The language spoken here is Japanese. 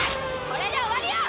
これで終わりよ！